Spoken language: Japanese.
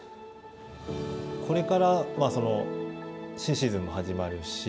これから新シーズンも始まるし